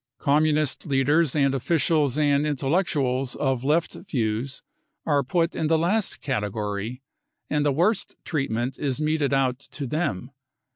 Communist leaders and officials and intellectuals of Left views are put in the last category, and the worst treatment is meted out to them.